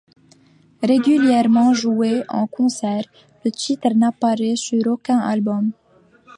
Régulièrement joué en concert, le titre n'apparait sur aucun album.